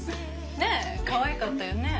ねえかわいかったよね。